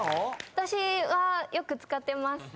私はよく使ってます。